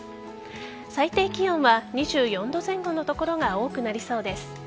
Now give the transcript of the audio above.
最低気温は２４度前後の所が多くなりそうです。